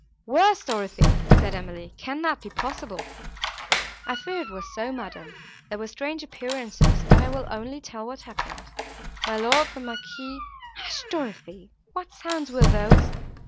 "Worse! Dorothée," said Emily, "can that be possible?" "I fear it was so, madam, there were strange appearances. But I will only tell what happened. My lord, the Marquis—" "Hush, Dorothée, what sounds were those?"